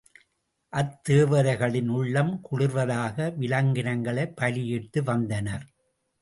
அத்தேவதைகளின் உள்ளம் குளிர்வதற்காக விலங்கினங்களைப் பலியிட்டு வந்தனர்.